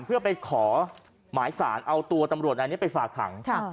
เพื่อไปขอหมายสารเอาตัวตำรวจอันนี้ไปฝากขัง